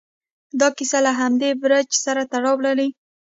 دا کیسه له همدې برج سره تړاو لري.